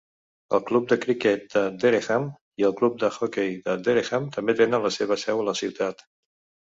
El Club de Criquet de Dereham i el Club d'Hoquei de Dereham també tenen la seva seu a la ciutat.